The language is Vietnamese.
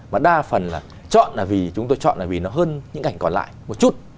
và đa phần là chọn là vì chúng tôi chọn là vì nó hơn những ảnh còn lại một chút